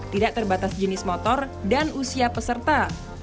tidak terbatas jenis motor dan usia peserta